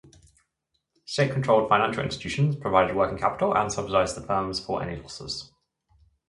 State-controlled financial institutions provided working capital and subsidized the firms for any losses.